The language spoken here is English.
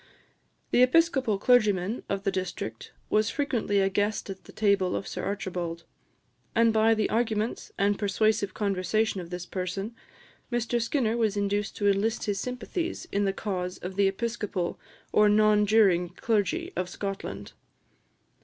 The Episcopal clergyman of the district was frequently a guest at the table of Sir Archibald; and by the arguments and persuasive conversation of this person, Mr Skinner was induced to enlist his sympathies in the cause of the Episcopal or non juring clergy of Scotland.